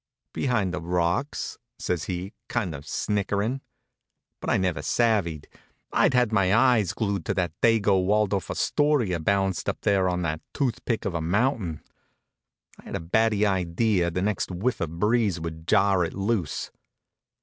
"Behind the rocks," says he, kind of snickering. But I never savvied. I'd had my eyes glued to that dago Waldorf Astoria balanced up there on that toothpick of a mountain. I had a batty idea that the next whiff of breeze would jar it loose.